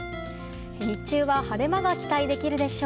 日中は晴れ間が期待できるでしょう。